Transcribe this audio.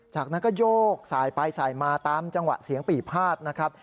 จากนั้นก็โยกสายไปสายมาตามจังหวะเสียงปี่พาดนะครับ